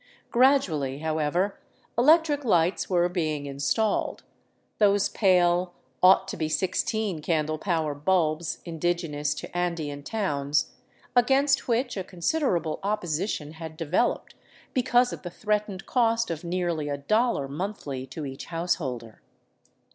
Gradually, however, electric lights were being installed — those pale, ought to be sixteen candle power bulbs indigenous to Andean towns — against which a considerable opposition had developed because of the threatened cost of nearly a dollar monthly to each householder.